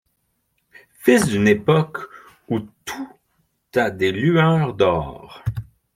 Fils d'une époque où tout a des lueurs d'aurore